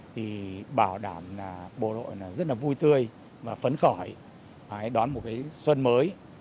thì bảo đảm là bộ đội rất là vui tươi và phấn khởi đón một cái xuân mới